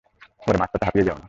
পরে মাঝ পথে হাঁপিয়ে যেও না।